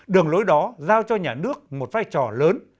đường lối đó giao cho nhà nước một vai trò lớn